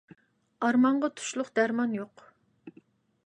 ئارمانغا تۇشلۇق دەرمان يوق!